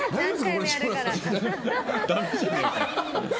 これ志村さん。